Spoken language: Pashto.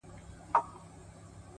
دواړه لاسه يې کړل لپه-